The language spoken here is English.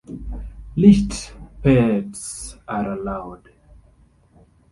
Leashed pets are allowed.